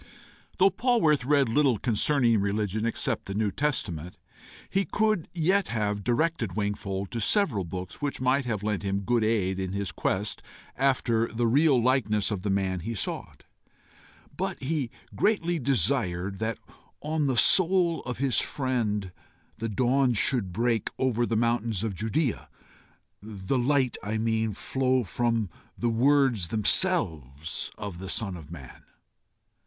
Though Polwarth read little concerning religion except the New Testament, he could yet have directed Wingfold to several books which might have lent him good aid in his quest after the real likeness of the man he sought; but he greatly desired that on the soul of his friend the dawn should break over the mountains of Judæa the light, I mean, flow from the words themselves of the Son of Man.